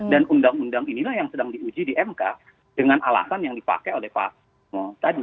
dan undang undang inilah yang sedang diuji di mk dengan alasan yang dipakai oleh pak timo tadi